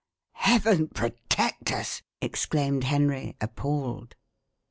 "Heaven protect us!" exclaimed Henry, appalled.